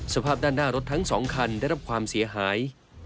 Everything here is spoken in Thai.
สภาพด้านหน้ารถทั้ง๒คันได้รับความเสียหาย